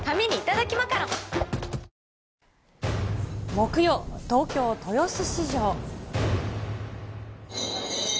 木曜、東京・豊洲市場。